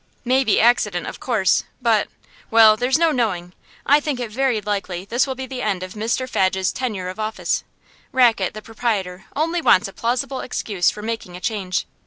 'May be accident, of course; but well, there's no knowing. I think it very likely this will be the end of Mr Fadge's tenure of office. Rackett, the proprietor, only wants a plausible excuse for making a change.